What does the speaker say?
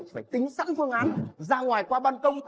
phải tính sẵn phương án ra ngoài qua ban công